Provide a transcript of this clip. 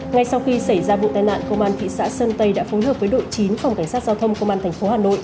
ngay sau khi xảy ra vụ tai nạn công an thị xã sơn tây đã phối hợp với đội chín phòng cảnh sát giao thông công an tp hà nội